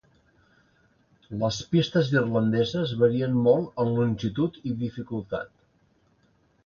Les pistes irlandeses varien molt en longitud i dificultat.